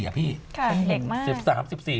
ค่ะเห็นเด็กมาก